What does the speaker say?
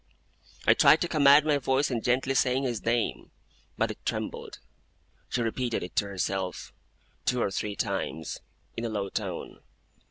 I tried to command my voice in gently saying his name, but it trembled. She repeated it to herself, two or three times, in a low tone.